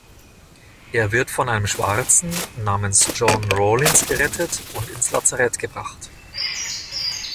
Er wird von einem Schwarzen namens John Rawlins gerettet und ins Lazarett gebracht.